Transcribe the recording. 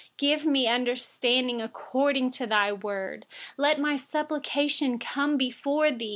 Give me understanding according to your word. 170Let my supplication come before you.